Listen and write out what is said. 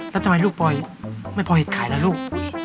อ๋อแล้วทำไมลูกปอยไม่พอเหตุขายแล้วลูก